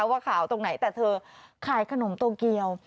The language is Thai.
ว่าขาวตรงไหนแต่เธอขายขนมโตเกียว